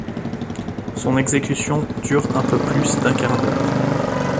Son exécution dure un peu plus d'un quart d'heure.